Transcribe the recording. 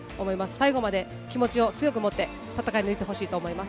最後まで気持ちを強く持って戦い抜いてほしいと思います。